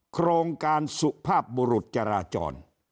โครงการสุภาพบุรุษจราจร